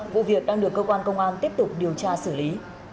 vụ việc đang được cơ quan công an tiếp tục điều tra xử lý